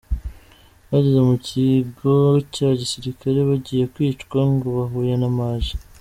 Bageze mu Kigo cya Gisirikare bagiye kwicwa ngo bahuye na Maj.